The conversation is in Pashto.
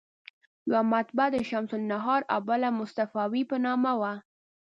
یوه مطبعه د شمس النهار او بله مصطفاوي په نامه وه.